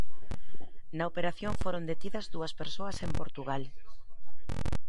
Na operación foron detidas dúas persoas en Portugal.